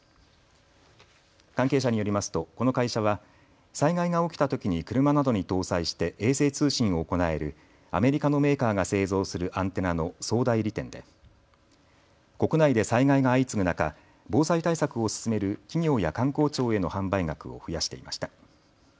関係者によりますと、この会社は災害が起きたときに車などに搭載して衛星通信を行えるアメリカのメーカーが製造するアンテナの総代理店で国内で災害が相次ぐ中、防災対策を進める企業や官公庁への販売額を増やしていました。